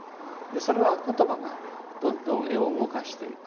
それは言葉がどんどん絵を動かしていく。